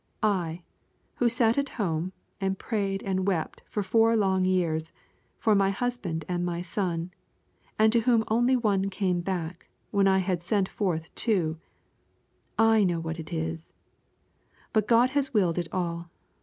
I, who sat at home and prayed and wept for four long years, for my husband and my son, and to whom only one came back, when I had sent forth two I know what it is. But God has willed it all.